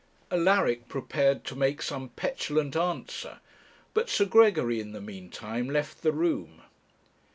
Alaric prepared to make some petulant answer, but Sir Gregory, in the meantime, left the room.